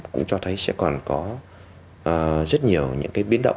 cũng cho thấy sẽ còn có rất nhiều những cái biến động